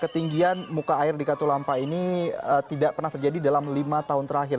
ketinggian muka air di katulampa ini tidak pernah terjadi dalam lima tahun terakhir